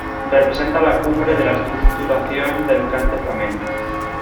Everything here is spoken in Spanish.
Representa la cumbre de la estructuración del cante flamenco.